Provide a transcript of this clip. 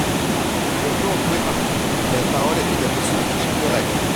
On peut en trouver partout ! La parole est à Monsieur Philippe Le Ray.